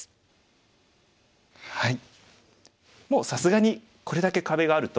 もうさすがにこれだけ壁があると。